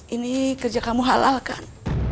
ini kerja kamu halal kan